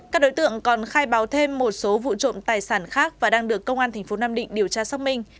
các đối tượng còn khai báo thêm một số vụ trộm tài sản khác và đang được công an tp nam định điều tra xác minh